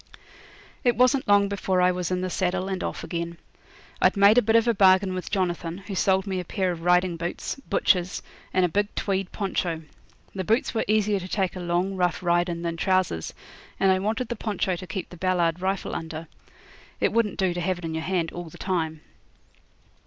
It wasn't long before I was in the saddle and off again. I'd made a bit of a bargain with Jonathan, who sold me a pair of riding boots, butcher's, and a big tweed poncho. The boots were easier to take a long rough ride in than trousers, and I wanted the poncho to keep the Ballard rifle under. It wouldn't do to have it in your hand all the time.